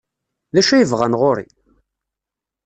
D acu ay bɣan ɣer-i?